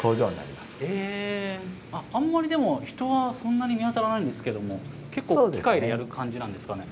あんまりでも人はそんなに見当たらないんですけども結構機械でやる感じなんですかね？